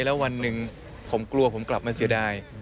แล้ววันหนึ่งผมกลัวผมกลับมาเสียดาย